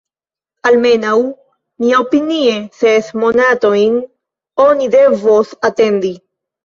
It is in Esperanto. Almenaŭ, miaopinie, ses monatojn oni devos atendi.